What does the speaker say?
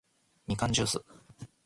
みかんじゅーす